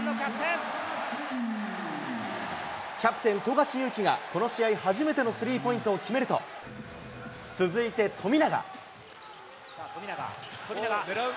キャプテン、富樫勇樹がこの試合初めてのスリーポイントを決めると、続いて富富永、富永。狙う？